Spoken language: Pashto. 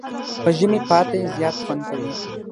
په ژمي پاتی زیات خوند کوي.